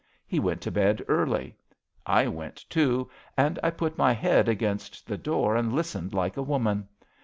He went to bed early. I went, too, and I put my head against the door and listened like a woman.